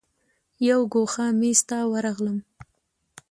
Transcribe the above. یو ګوښه میز ته ورغلم.